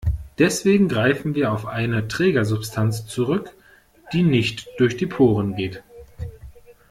Deswegen greifen wir auf eine Trägersubstanz zurück, die nicht durch die Poren geht.